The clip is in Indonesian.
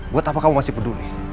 buat apa kamu masih peduli